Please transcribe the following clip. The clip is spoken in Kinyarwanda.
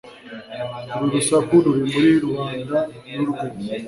uru rusaku ruri muri rubanda ni urw'iki